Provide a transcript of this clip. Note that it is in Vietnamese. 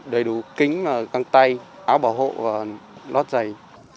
đầy đủ kính găng tay áo bảo hộ và lót giày